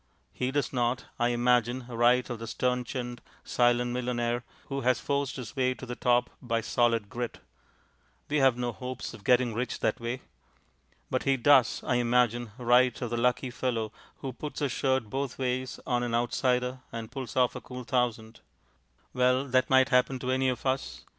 He does not (I imagine) write of the stern chinned, silent millionaire who has forced his way to the top by solid grit; we have no hopes of getting rich that way. But he does (I imagine) write of the lucky fellow who puts his shirt both ways on an outsider and pulls off a cool thousand. Well, that might happen to any of us.